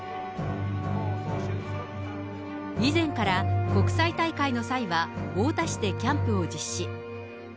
以前から、国際大会の際は太田市でキャンプを実施。